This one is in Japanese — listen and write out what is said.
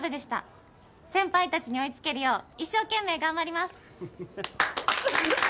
先輩たちに追い付けるよう一生懸命頑張ります。